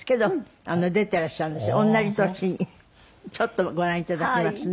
ちょっとご覧頂きますね。